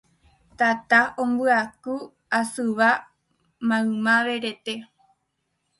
Tata ombyaku asýva maymave rete